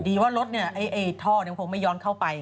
เพราะว่ารถเนี่ยไอ้ท่อเนี่ยคงไม่ย้อนเข้าไป